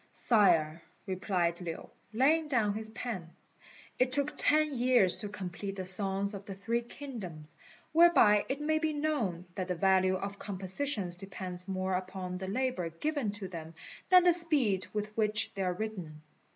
"Sire," replied Lin, laying down his pen, "it took ten years to complete the Songs of the Three Kingdoms; whereby it may be known that the value of compositions depends more upon the labour given to them than the speed with which they are written."